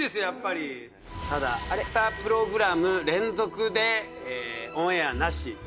やっぱりただ２プログラム連続でオンエアなし